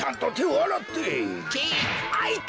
あっいた！